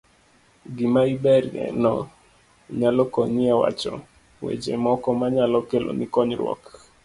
Gima iberie no nyalo konyi e wacho weche moko manyalo keloni konyruok.